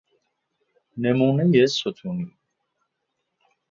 نمونه ستونی